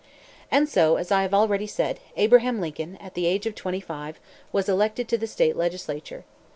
And so, as I have already said, Abraham Lincoln, at the age of twenty five, was elected to the state legislature.